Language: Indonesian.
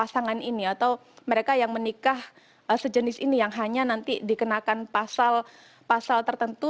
pasangan ini atau mereka yang menikah sejenis ini yang hanya nanti dikenakan pasal tertentu